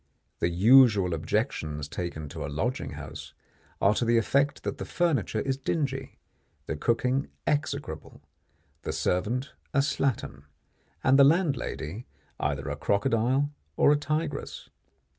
The usual objections taken to a lodging house are to the effect that the furniture is dingy, the cooking execrable, the servant a slattern, and the landlady either a crocodile or a tigress.